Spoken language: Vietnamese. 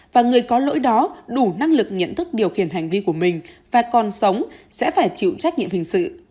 và người có lỗi đó đủ năng lực nhận thức điều khiển hành vi của mình và còn sống sẽ phải chịu trách nhiệm hình sự